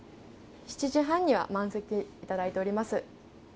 ７時半には満席いただいております。